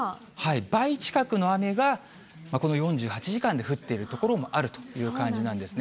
倍近くの雨がこの４８時間で降っている所もあるという感じなんですね。